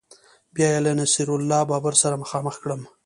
بیا یې له نصیر الله بابر سره مخامخ کړم